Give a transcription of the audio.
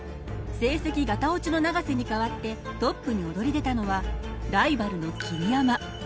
成績ガタオチの永瀬に代わってトップに躍り出たのはライバルの桐山。